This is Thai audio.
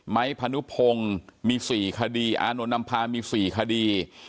ไม้พนุพงมี๔คดีอานวนอำภามี๔คดี